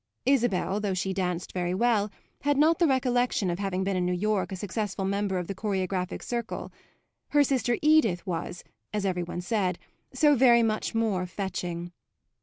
Isabel, though she danced very well, had not the recollection of having been in New York a successful member of the choreographic circle; her sister Edith was, as every one said, so very much more fetching.